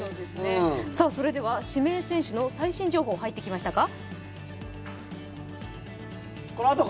それでは、指名選手の最新情報、入ってきましたか。